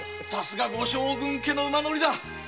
さすがは将軍家の馬乗りだ。